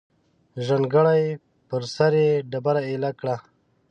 ژرندګړی پر سر یې ډبره ایله کړه.